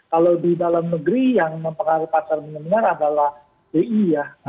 kalau di dalam negeri yang mempengaruhi pasar milenial adalah bi ya